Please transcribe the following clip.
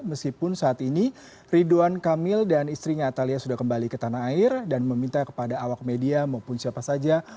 meskipun saat ini ridwan kamil dan istrinya atalia sudah kembali ke tanah air dan meminta kepada awak media maupun siapa saja